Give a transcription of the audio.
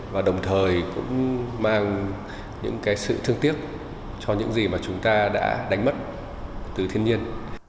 và đồng thời cũng mang những cái sự thương tiếc cho những gì mà chúng ta đã đánh mất từ thiên nhiên